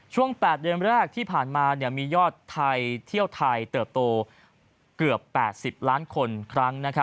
๘เดือนแรกที่ผ่านมามียอดไทยเที่ยวไทยเติบโตเกือบ๘๐ล้านคนครั้ง